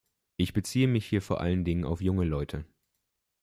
Ich beziehe mich hier vor allen Dingen auf junge Leute.